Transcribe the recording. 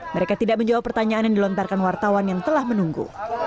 mereka tidak menjawab pertanyaan yang dilontarkan wartawan yang telah menunggu